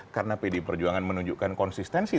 karena pdi perjuangan menunjukkan konsistensi